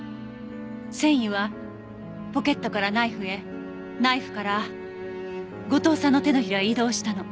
繊維はポケットからナイフへナイフから後藤さんの手のひらへ移動したの。